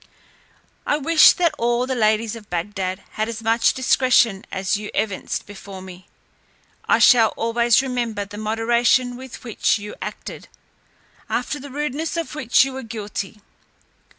I wish that all the ladies of Bagdad had as much discretion as you evinced before me. I shall always remember the moderation with which you acted, after the rudeness of which we were guilty.